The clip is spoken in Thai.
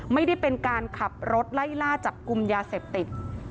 ไม่ได้เป็นการขับรถไล่ล่าจับกลุ่มยาเสพติด